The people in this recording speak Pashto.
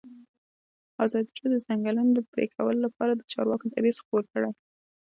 ازادي راډیو د د ځنګلونو پرېکول لپاره د چارواکو دریځ خپور کړی.